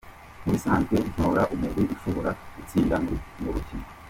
"Mu bisanzwe ntora umugwi ushobora gutsinda mu rukino.